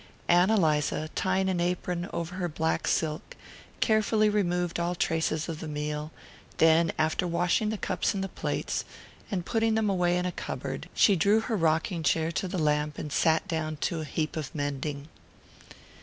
Ann Eliza, tying an apron over her black silk, carefully removed all traces of the meal; then, after washing the cups and plates, and putting them away in a cupboard, she drew her rocking chair to the lamp and sat down to a heap of mending.